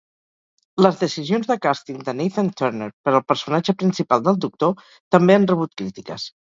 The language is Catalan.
Les decisions de càsting de Nathan-Turner per al personatge principal del Doctor també han rebut crítiques.